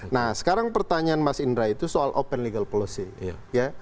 nah sekarang pertanyaan mas indra itu soal open legal policy